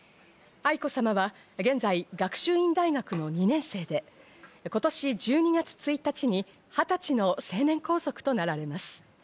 愛子さまは現在、学習院大学の２年生で、今年１２月１日に２０歳の成年皇族となられます。